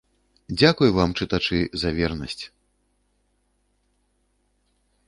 Дзякуй вам, чытачы, за вернасць!